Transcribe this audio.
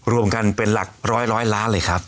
รวมกันเป็นหลักร้อยล้านเลยครับ